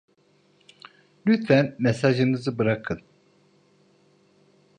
Lütfen mesajınızı bırakın.